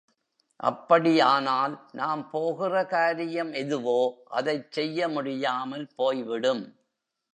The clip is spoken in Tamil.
அப்படி ஆனால் நாம் போகிற காரியம் எதுவோ அதைச் செய்ய முடியாமல் போய்விடும்.